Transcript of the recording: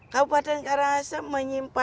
kabupaten karangasem menyimpan pulau